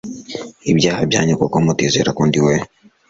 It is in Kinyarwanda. ibyaha byanyu kuko nimutizera ko ndi we